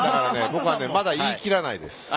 僕はまだ言い切らないです。